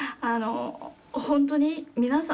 本当に皆さん